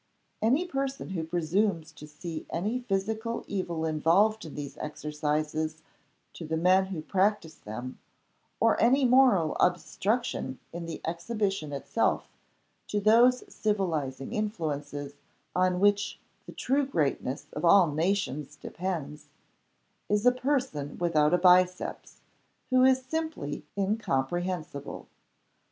Any person who presumes to see any physical evil involved in these exercises to the men who practice them, or any moral obstruction in the exhibition itself to those civilizing influences on which the true greatness of all nations depends, is a person without a biceps, who is simply incomprehensible.